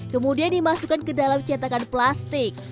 kemudian dimasukkan ke dalam cetakan plastik